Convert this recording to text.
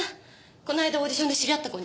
この間オーディションで知り合った子に。